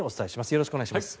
よろしくお願いします。